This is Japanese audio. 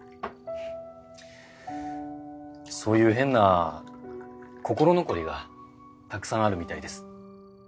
そういう変な心残りがたくさんあるみたいです。